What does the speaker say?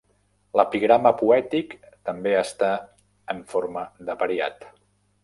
L'epigrama poètic també està en forma d'apariat.